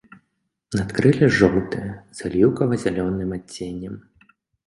Надкрылле жоўтае з аліўкава-зялёным адценнем.